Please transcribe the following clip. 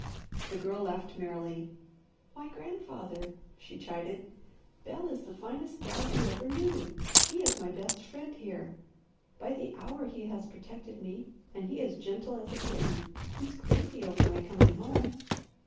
The Girl laughed merrily. "Why grandfather!" she chided, "Bel is the finest dog you ever knew, he is my best friend here. By the hour he has protected me, and he is gentle as a kitten. He's crazy over my coming home."